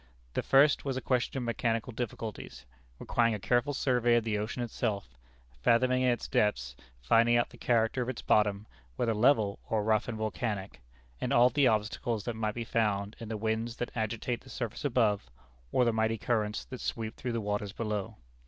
The first was a question of mechanical difficulties, requiring a careful survey of the ocean itself, fathoming its depth, finding out the character of its bottom, whether level, or rough and volcanic; and all the obstacles that might be found in the winds that agitate the surface above, or the mighty currents that sweep through the waters below.